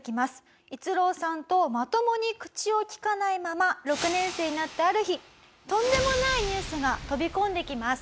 逸郎さんとまともに口を利かないまま６年生になったある日とんでもないニュースが飛び込んできます。